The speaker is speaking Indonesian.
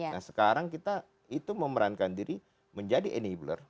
nah sekarang kita itu memerankan diri menjadi enabler